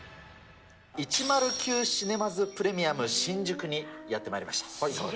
１０９シネマズプレミアム新宿にやってまいりました。